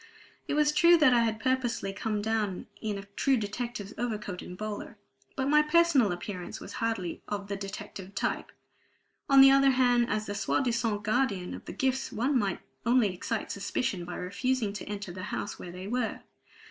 It was true that I had purposely come down in a true detective's overcoat and bowler; but my personal appearance was hardly of the detective type. On the other hand as the soi disant guardian of the gifts one might only excite suspicion by refusing to enter the house where they were.